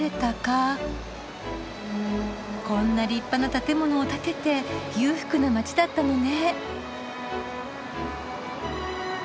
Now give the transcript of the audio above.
こんな立派な建物を建てて裕福な街だったのね。